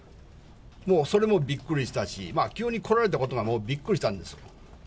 もうそれもびっくりしたし、急に来られたことが、びっくりしたんです。